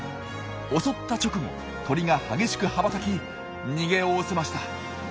襲った直後鳥が激しく羽ばたき逃げおおせました。